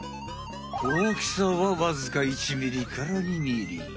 大きさはわずか１ミリから２ミリ。